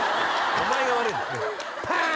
お前が悪いんだよパーン！